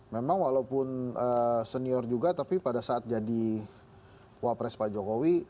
memang walaupun senior juga tapi pada saat jadi wapres pak jokowi